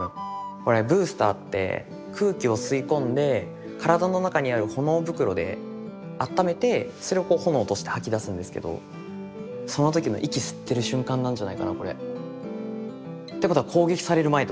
これブースターって空気を吸い込んで体の中にある炎袋であっためてそれを炎として吐き出すんですけどその時の息吸ってる瞬間なんじゃないかなこれ。ってことは攻撃される前ってことですね。